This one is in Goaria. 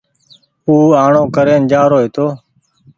او آڻو ڪرين جآرو هيتو